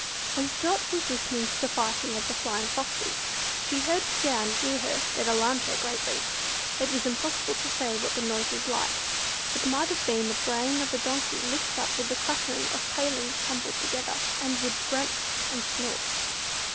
As Dot was listening to the fighting of the Flying Foxes, she heard a sound near her that alarmed her greatly. It was impossible to say what the noise was like. It might have been the braying of a donkey mixed up with the clattering of palings tumbled together, and with grunts and snorts.